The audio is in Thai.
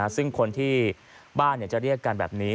ซึ่งคนที่บ้านจะเรียกกันแบบนี้